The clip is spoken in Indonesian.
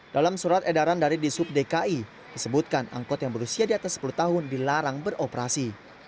dalam surat edaran dari disub dki disebutkan angkot yang berusia di atas sepuluh tahun dilarang beroperasi